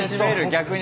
逆に。